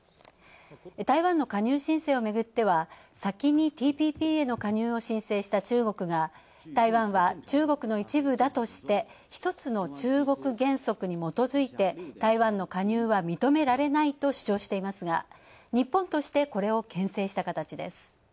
台湾の加入申請をめぐっては先にＴＰＰへの加入を申請した中国が台湾は中国の一部だとして一つの中国原則に基づいて台湾の加入は認められないと主張していますが日本として、これをけん制した形です。